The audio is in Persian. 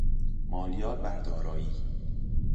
مالیات بر دارایی